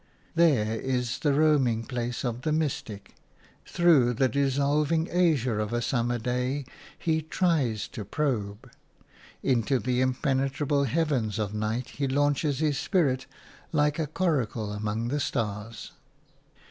There is the roaming place of the mystic; through the dissolving azure of a summer day he tries to probe; into the impenetrable heavens of night he launches his spirit like a coracle among the stars.